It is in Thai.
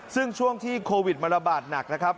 ซึ่งช่วงที่โควิดมันระบาดหนักนะครับ